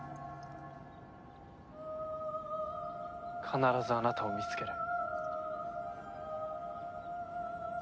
必ずあなたを見つける。